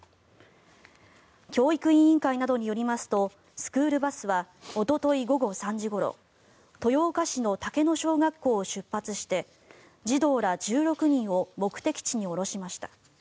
教育委員会などによりますとスクールバスはおととい午後３時ごろ豊岡市の竹野小学校を出発して児童ら１６人を目的地に降ろしました。